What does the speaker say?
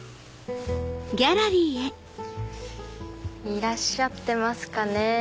いらっしゃってますかね。